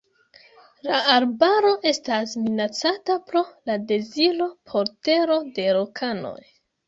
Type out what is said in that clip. La arbaro estas minacata pro la deziro por tero de lokanoj.